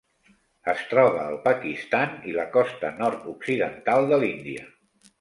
Es troba al Pakistan i la costa nord-occidental de l'Índia.